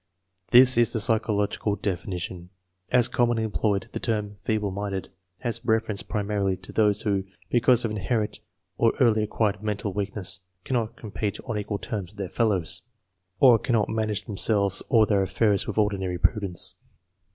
This is the psychological definition. As commonly employed, the term " feeble minded " has reference primarily to those who, because of in herent or early acquired mental weakness, " cannot compete on equal terms with their fellows," or " can not manage themselves or their affairs with ordinary prudence."